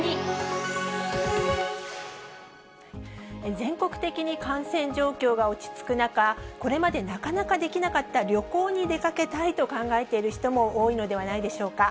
全国的に感染状況が落ち着く中、これまでなかなかできなかった旅行に出かけたいと考えている人も多いのではないでしょうか。